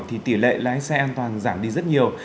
thì tỷ lệ lái xe an toàn giảm đi rất nhiều